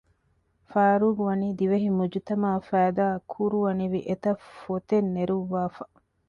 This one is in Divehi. ފާރޫޤް ވަނީ ދިވެހި މުޖުތަމަޢަށް ފައިދާ ކުރުވަނިވި އެތައް ފޮތެއް ނެރުއްވައިފަ